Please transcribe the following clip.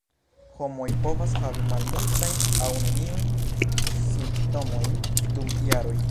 Homoj povas havi malmultajn aŭ neniujn simptomojn dum jaroj.